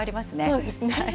そうですね。